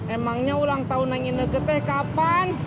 emangnya ulang tahun yang ini ketahuan kapan